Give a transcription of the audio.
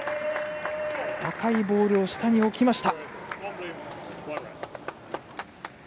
赤いボールを下に置きました。